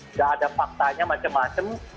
sudah ada faktanya macam macam